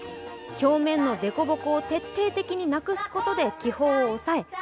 表面のでこぼこを徹底的になくすことで気泡を抑え